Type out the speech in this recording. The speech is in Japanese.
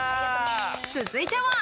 続いては。